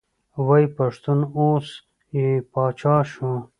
وایي پښتون اوس یې پاچا شو.